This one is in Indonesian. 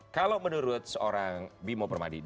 kalau menurut seorang bimo permadi